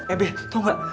eh be tau gak